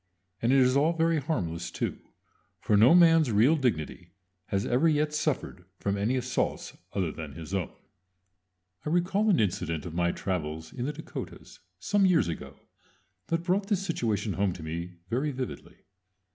And it is all very harmless too; for no man's real dignity has ever yet suffered from any assaults other than his own. I recall an incident of my travels in the Dakotas some years ago that brought this situation home to me very vividly.